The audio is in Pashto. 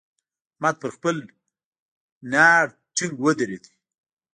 احمد پر خپل ناړ ټينګ ودرېد.